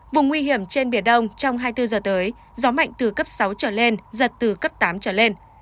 vùng nguy hiểm trên biển đông trong hai mươi bốn giờ tới gió mạnh từ cấp sáu trở lên giật từ cấp tám trở lên